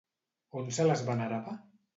On se les venerava?